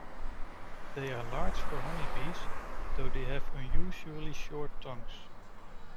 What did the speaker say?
They are large for honey bees though they have unusually short tongues.